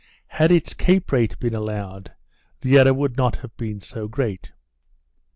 Had its cape rate been allowed, the error would not have been so great.